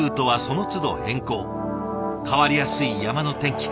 変わりやすい山の天気。